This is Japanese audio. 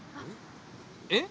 えっ？